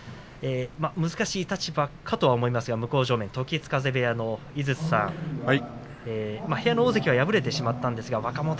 難しい立場かと思いますが向正面、時津風部屋の井筒さん部屋の大関は敗れましたが若元